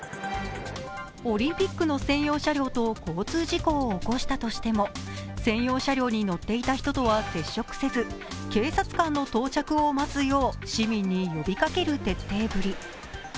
オリンピックの専用車両と交通事故を起こしたとしても専用車両に乗っていた人とは接触せず、警察官の到着を待つよう市民に呼びかける徹底ぶり。